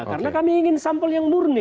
karena kami ingin sampel yang murni